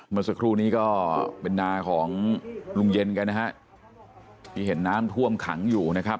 เมื่อสักครู่นี้ก็เป็นนาของลุงเย็นกันนะฮะที่เห็นน้ำท่วมขังอยู่นะครับ